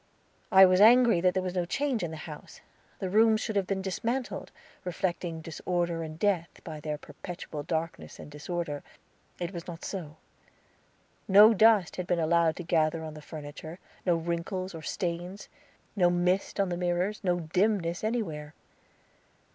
I was angry that there was no change in the house. The rooms should have been dismantled, reflecting disorder and death, by their perpetual darkness and disorder. It was not so. No dust had been allowed to gather on the furniture, no wrinkles or stains. No mist on the mirrors, no dimness anywhere.